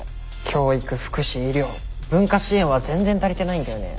教育福祉医療文化支援は全然足りてないんだよね。